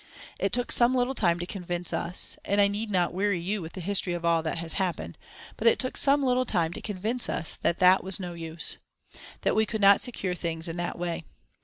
It took some little time to convince us and I need not weary you with the history of all that has happened but it took some little time to convince us that that was no use; that we could not secure things in that way.